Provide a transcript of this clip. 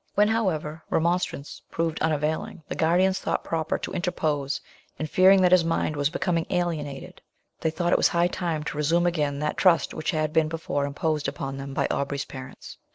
When, however, remonstrance proved unavailing, the guardians thought proper to interpose, and, fearing that his mind was becoming alienated, they thought it high time to resume again that trust which had been before imposed upon them by Aubrey's parents.